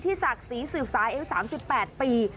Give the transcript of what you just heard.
ที่ศักดิ์สีสิบสาย๓๘ปี